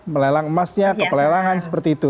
melelang emasnya ke pelelangan seperti itu